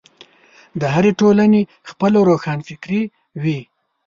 د هرې ټولنې خپله روښانفکري وي.